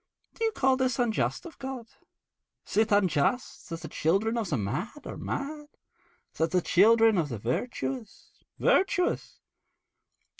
Do you call this unjust of God? Is it unjust that the children of the mad are mad, and the children of the virtuous virtuous.'